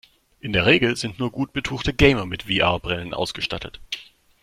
In der Regel sind nur gut betuchte Gamer mit VR-Brillen ausgestattet.